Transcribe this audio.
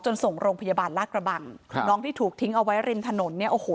ส่งโรงพยาบาลลากระบังครับน้องที่ถูกทิ้งเอาไว้ริมถนนเนี่ยโอ้โห